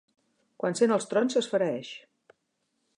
Quan sent els trons s'esfereeix.